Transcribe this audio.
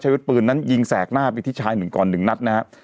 ใช้วิ่งปืนนั้นจไปยิงแสงหน้าไปที่ชายหนึ่งก่อนหนึ่งนักครับ